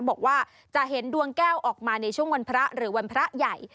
บอกว่าจะเห็นดวงแก้วออกมาในช่วงวันพระหรือวันพระใหญ่